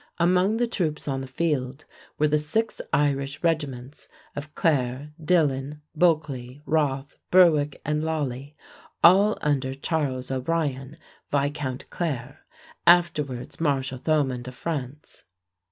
Among the troops on the field were the six Irish regiments of Clare, Dillon, Bulkeley, Roth, Berwick, and Lally, all under Charles O'Brien, Viscount Clare, afterwards Marshal Thomond of France.